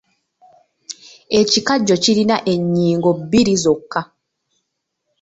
Ekikajjo kirina ennyingo bbiri zokka.